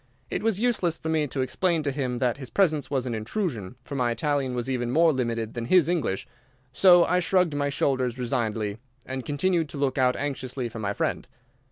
It was useless for me to explain to him that his presence was an intrusion, for my Italian was even more limited than his English, so I shrugged my shoulders resignedly, and continued to look out anxiously for my friend.